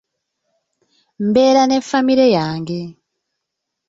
Mbeera ne famire yange.